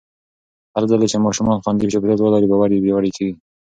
هرځل چې ماشومان خوندي چاپېریال ولري، باور یې پیاوړی کېږي.